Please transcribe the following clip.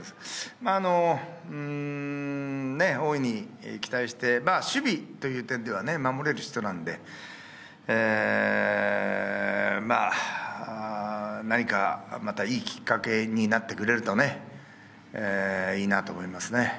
まぁ大いに期待して守備という点では守れる人なんで、何かまたいいきっかけになってくれるといいなと思いますね。